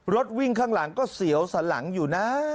รถวิ่งข้างหลังก็เสียวสันหลังอยู่นะ